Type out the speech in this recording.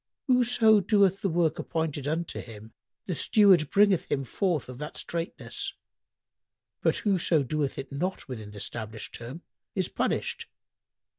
Whoso doeth the work appointed unto him, the steward bringeth him forth of that straitness; but whoso doeth it not within the stablished term is punished.